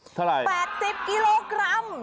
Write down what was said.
เท่าไหร่๘๐กิโลกรัม